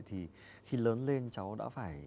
thì khi lớn lên cháu đã phải